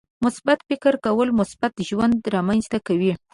• مثبت فکر کول، مثبت ژوند رامنځته کوي.